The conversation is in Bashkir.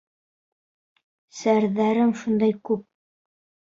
«Серҙәрем шундай күп!»